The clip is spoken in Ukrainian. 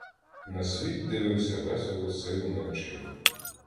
На світ дивився весело сивими очима.